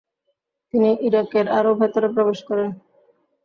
তিনি ইরাকের আরো ভেতরে প্রবেশ করেন।